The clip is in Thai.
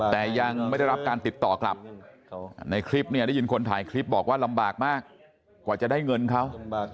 ถึงถ่ายคลิปบอกว่าลำบากมากกว่าจะได้เงินเขา